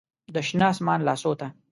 د شنه اسمان لاسو ته